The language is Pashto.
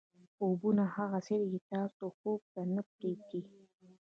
خوبونه هغه څه دي چې تاسو خوب ته نه پرېږدي.